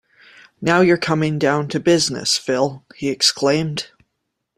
Now you're coming down to business, Phil, he exclaimed.